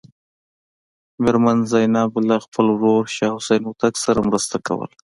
میرمن زینب له خپل ورور شاه حسین هوتک سره مرسته کوله.